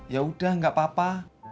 yaudah gak apa apa